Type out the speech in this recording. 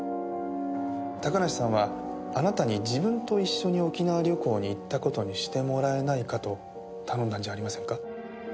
高梨さんはあなたに自分と一緒に沖縄旅行に行った事にしてもらえないかと頼んだんじゃありませんか？